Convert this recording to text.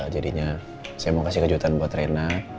jadinya saya mau kasih kejutan buat rena